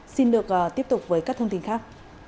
xin được tiếp tục với các thông tin khác